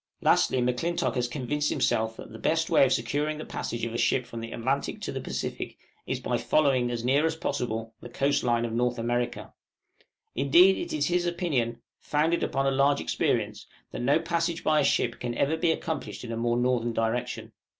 Lastly, M'Clintock has convinced himself, that the best way of securing the passage of a ship from the Atlantic to the Pacific, is by following, as near as possible, the coast line of North America: indeed, it is his opinion, founded upon a large experience, that no passage by a ship can ever be accomplished in a more northern direction.